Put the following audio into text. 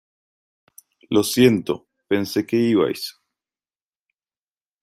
Lo siento, pensé que ibais...